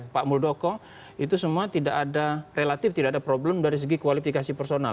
pak muldoko itu semua tidak ada relatif tidak ada problem dari segi kualifikasi personal